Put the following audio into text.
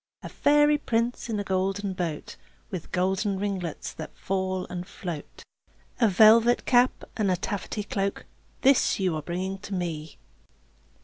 A fairy prince in a golden boat, With golden ringlets that fall and float, A velvet cap, and a taffety cloak, This you are bringing to me.